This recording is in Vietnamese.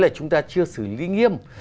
chúng ta chưa xử lý nghiêm